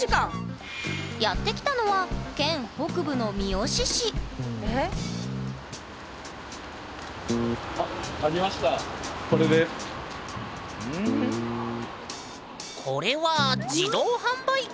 やって来たのは県北部の三次市これは自動販売機？